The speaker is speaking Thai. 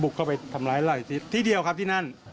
เข้าไปทำร้ายหลายทิศที่เดียวครับที่นั่น